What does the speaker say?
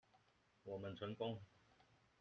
我們成功